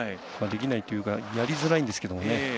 できないというかやりづらいんですが。